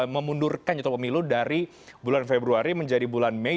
memundurkan jadwal pemilu dari bulan februari menjadi bulan mei